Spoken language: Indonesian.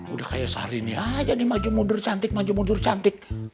udah kayak sehari ini aja nih maju mundur cantik